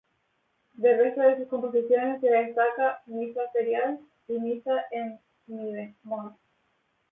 Del resto de sus composiciones se destacan "Missa Ferial" y "Missa em mi bemol".